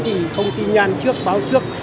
thì không xin nhan trước báo trước